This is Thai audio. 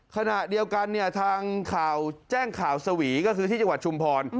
ขณะเดียวกันเนี่ยทางข่าวแจ้งข่าวสวีก็คือที่จังหวัดชุมพร